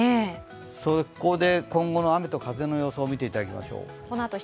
そこで今後の雨と風の予想を見ていただきましょう。